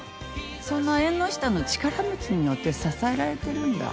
そんな縁の下の力持ちによって支えられてるんだ